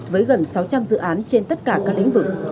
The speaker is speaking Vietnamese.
với gần sáu trăm linh dự án trên tất cả các lĩnh vực